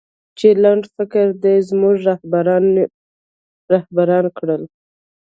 چې لنډفکره دې زموږه رهبران کړل